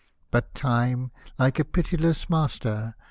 But Time, hke a pitiless master.